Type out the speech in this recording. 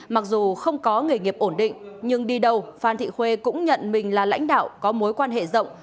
mặc dù không có nghề nghiệp ổn định nhưng đi đâu phan thị khuê cũng nhận mình là lãnh đạo có mối quan hệ rộng